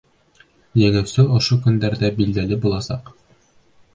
Еңеүсе ошо көндәрҙә билдәле буласаҡ.